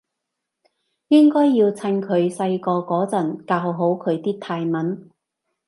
應該要趁佢細個嗰陣教好佢啲泰文